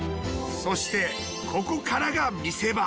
そしてここからが見せ場。